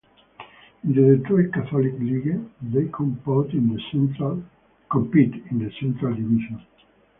In the Detroit Catholic League, they compete in the Central Division.